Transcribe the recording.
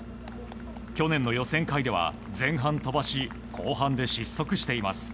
去年の予選会では前半飛ばし後半で失速しています。